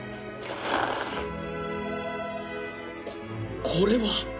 こっこれは